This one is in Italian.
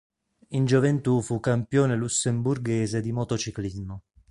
In gioventù fu campione lussemburghese di motociclismo.